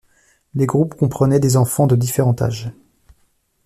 Les groupes comprenaient des enfants de différents âges.